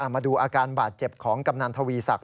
มาดูอาการบาดเจ็บของกำนันทวีศักดิ